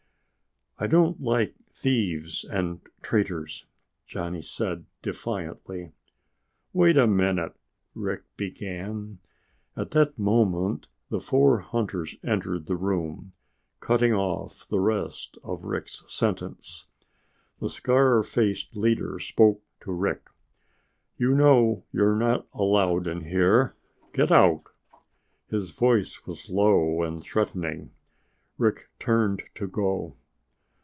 "I don't like thieves and traitors," Johnny said defiantly. "Wait a minute!" Rick began. At that moment the four hunters entered the room, cutting off the rest of Rick's sentence. The scarred faced leader spoke to Rick. "You know you're not allowed in here. Get out!" His voice was low and threatening. Rick turned to go.